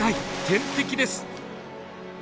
天敵です！